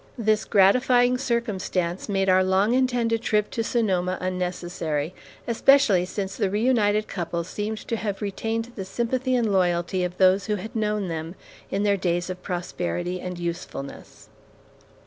This gratifying circumstance made our long intended trip to Sonoma unnecessary, especially since the reunited couple seemed to have retained the sympathy and loyalty of those who had known them in their days of prosperity and usefulness.